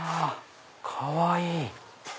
かわいい。